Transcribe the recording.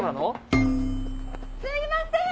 すいません！